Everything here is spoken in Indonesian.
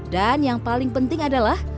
dan yang paling penting adalah